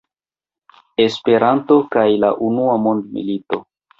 Esperanto kaj la unua mondmilito.